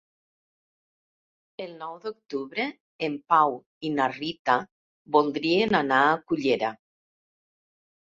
El nou d'octubre en Pau i na Rita voldrien anar a Cullera.